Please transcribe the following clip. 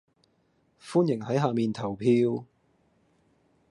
歡迎喺下面投票